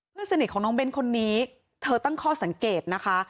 เพื่อนสนิทของน้องเบ้นคนนี้เธอตั้งข้อสังเกตนะคะ